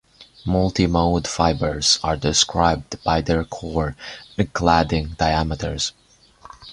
Multi-mode fibers are described by their core and cladding diameters.